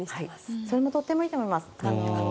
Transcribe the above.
それもとてもいいと思います。